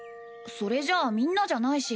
それじゃみんなじゃないし